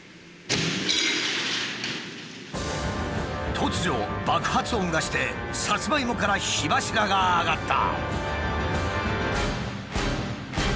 突如爆発音がしてサツマイモから火柱が上がった。